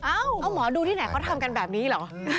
หมอดูที่ไหนเขาทำกันแบบนี้เหรอ